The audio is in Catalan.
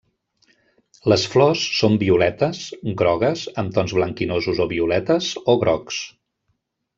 Les flors són violetes, grogues, amb tons blanquinosos o violetes o grocs.